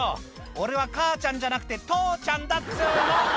「俺は母ちゃんじゃなくて父ちゃんだっつうの！」